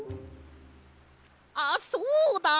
あっそうだ！